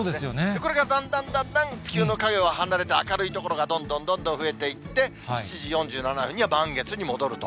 これがだんだんだんだん地球の影を離れて明るい所がどんどんどんどん増えていって、７時４７分には満月に戻ると。